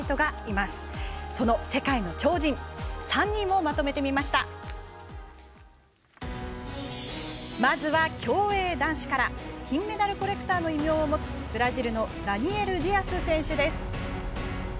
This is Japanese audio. まずは競泳男子から金メダルコレクターの異名を持つブラジルのダニエル・ディアス選手です。